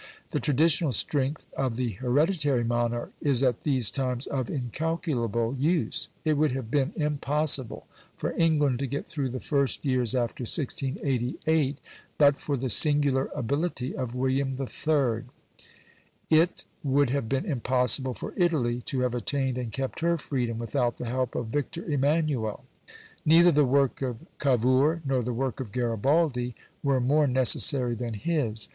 The traditional strength of the hereditary monarch is at these times of incalculable use. It would have been impossible for England to get through the first years after 1688 but for the singular ability of William III. It would have been impossible for Italy to have attained and kept her freedom without the help of Victor Emmanuel: neither the work of Cavour nor the work of Garibaldi were more necessary than his.